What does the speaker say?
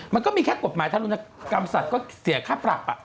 มันก็มีแค่กฎหมายธรุณกรรมสัตว์ก็เสียค่าปรับ